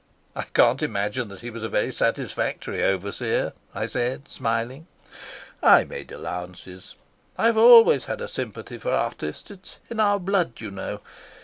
"I can't imagine that he was a very satisfactory overseer," I said, smiling. "I made allowances. I have always had a sympathy for artists. It is in our blood, you know.